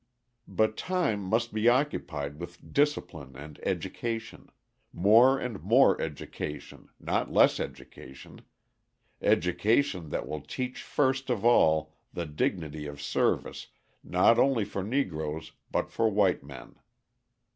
But time must be occupied with discipline and education more and more education, not less education, education that will teach first of all the dignity of service not only for Negroes but for white men.